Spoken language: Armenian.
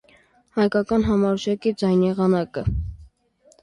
Հայկական համարժեքն Է՝ ձայնեղանակը։